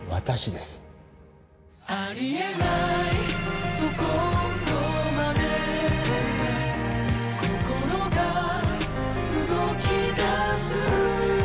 「有り得ないところまで心が動き出す」